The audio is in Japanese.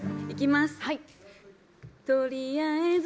「とりあえず」